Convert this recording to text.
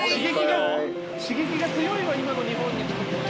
刺激が強いわ今の日本にとって。